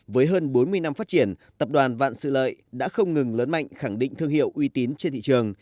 với hơn bốn mươi năm phát triển tập đoàn vạn sự lợi đã không ngừng lớn mạnh khẳng định thương hiệu uy tín trên thị trường